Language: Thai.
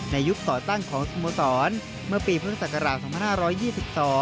ในยุคต่อตั้งของสมสรรค์เมื่อปีพฤศกราบ๒๕๒๒